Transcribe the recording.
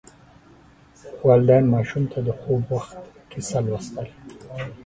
والدین ماشوم ته د خوب وخت کیسه لوستل.